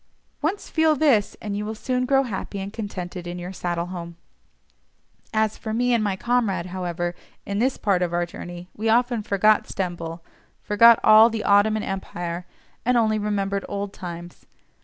Once feel this, and you will soon grow happy and contented in your saddle home. As for me and my comrade, however, in this part of our journey we often forgot Stamboul, forgot all the Ottoman Empire, and only remembered old times.